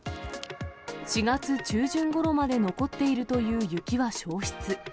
４月中旬ごろまで残っているという雪は消失。